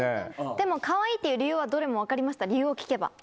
でも「カワイイ」って言う理由はどれも分かりました理由を聞けば。